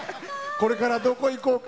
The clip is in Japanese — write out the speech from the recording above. これから、どこ行こうか？